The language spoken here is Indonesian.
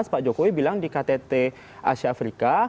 pak jokowi bilang di ktt asia afrika